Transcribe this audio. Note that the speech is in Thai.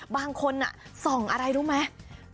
บางคนส่องอะไรรู้ไหม